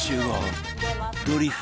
ドリフ